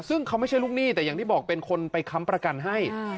ซึ่งเขาไม่ใช่ลูกหนี้แต่อย่างที่บอกเป็นคนไปค้ำประกันให้